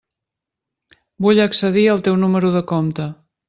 Vull accedir al teu número de compte.